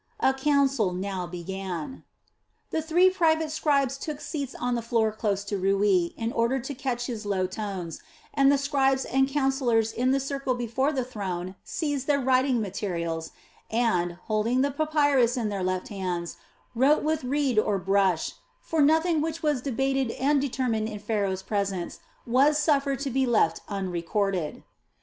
A council now began. Three private scribes took seats on the floor close by Rui, in order to catch his low tones, and the scribes and councillors in the circle before the throne seized their writing materials and, holding the papyrus in their left hands, wrote with reed or brush; for nothing which was debated and determined in Pharaoh's presence was suffered to be left unrecorded.